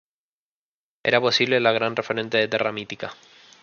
Era posiblemente el gran referente de Terra Mítica.